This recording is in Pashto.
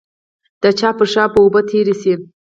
د چا پر شا به اوبه تېرې شي.